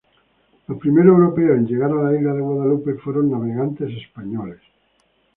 Los primeros europeos en llegar a la isla de Guadalupe fueron navegantes españoles.